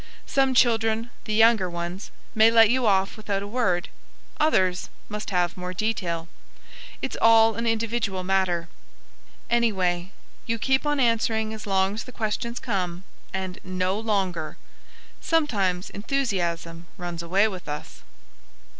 Some children, the younger ones, may let you off with a word. Others must have more detail. It's all an individual matter. Anyway, you keep on answering as long as the questions come, and no longer. (Sometimes enthusiasm runs away with us.)